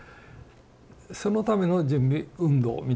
そのための準備運動みたいなもんですから。